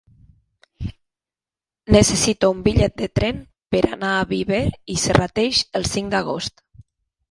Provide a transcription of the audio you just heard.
Necessito un bitllet de tren per anar a Viver i Serrateix el cinc d'agost.